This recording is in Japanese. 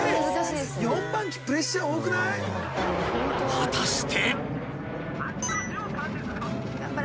［果たして］